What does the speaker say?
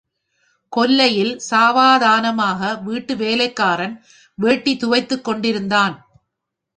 கொல்லையில் சாவதானமாக வீட்டு வேலைக்காரன் வேட்டி துவைத்துக் கொண்டிருந்தான்.